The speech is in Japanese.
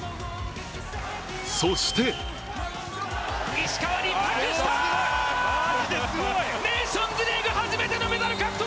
そしてネーションズリーグ初めてのメダル獲得